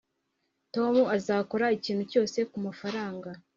tom azakora ikintu cyose kumafaranga